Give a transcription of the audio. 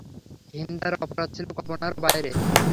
হিন্দার অপরাধ ছিল কল্পনারও বাইরে।